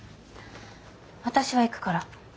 私は行くから。